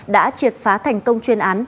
đã triệt phá thành công chuyên án